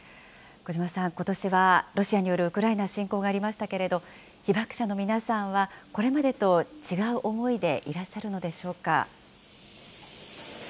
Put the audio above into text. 小島さん、ことしはロシアによるウクライナ侵攻がありましたけれども、被爆者の皆さんはこれまでと違う思いでいらっしゃるのでしょうか。